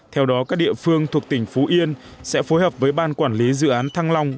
theo đó các địa phương thuộc tỉnh phú yên sẽ phối hợp với ban quản lý dự án thăng long